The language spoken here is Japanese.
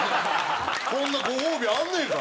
こんなご褒美あんねんから。